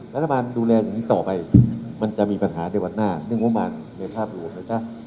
แล้วถ้ามันดูแลอย่างนี้ต่อไปมันจะมีปัญหาในวันหน้าเนื่องว่ามันในภาพหลวงเลยจ้ะ